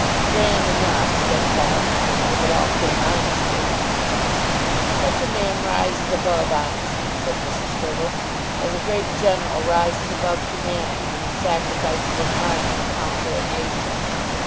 "Grand enough," said Paul, "if it all came honestly." "Such a man rises above honesty," said Mrs. Hurtle, "as a great general rises above humanity when he sacrifices an army to conquer a nation.